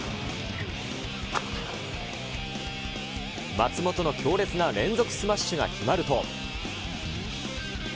松本の強烈な連続スマッシュが決まると。